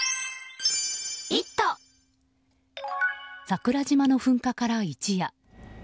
桜島の噴火から一夜。